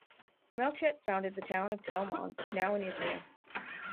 Melchett founded the town of Tel Mond, now in Israel.